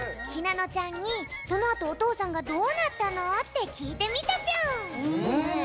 ひなのちゃんにそのあとお父さんがどうなったの？ってきいてみたぴょん。